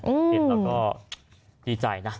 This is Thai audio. เราก็ดีใจนะ